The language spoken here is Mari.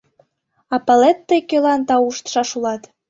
А палет, тый кӧлан тауштышаш улат?